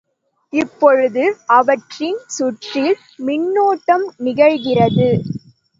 இப்பொழுது அவற்றின் சுற்றில் மின்னோட்டம் நிகழ்கிறது.